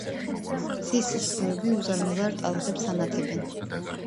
მზის სხივები უზარმაზარ ტალღებს ანათებენ.